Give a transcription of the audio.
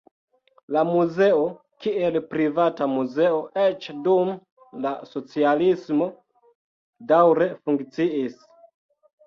La muzeo, kiel privata muzeo, eĉ dum la socialismo daŭre funkciis.